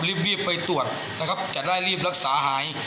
รีบไปตรวจนะครับจะได้รีบรักษาหาย